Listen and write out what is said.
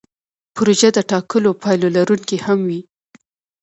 پروژه د ټاکلو پایلو لرونکې هم وي.